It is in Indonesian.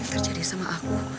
yang terjadi sama aku